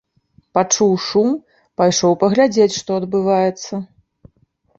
Пачуў шум, пайшоў паглядзець, што адбываецца.